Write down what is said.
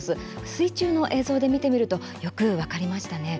水中の映像で見るとよく分かりましたね。